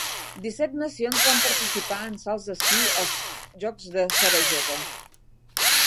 Disset nacions van participar en salts d'esquí als Jocs de Sarajevo.